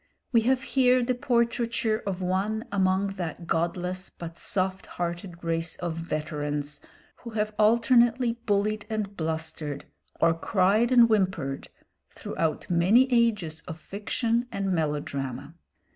We have here the portraiture of one among that godless but soft hearted race of veterans who have alternately bullied and blustered, or cried and whimpered, throughout many ages of fiction and melodrama.